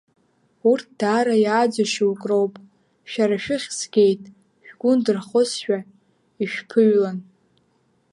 Урҭ даара иааӡо шьоук роуп, шәара шәыххь згеит, шәгәы ндырхозма ишәԥыҩлан.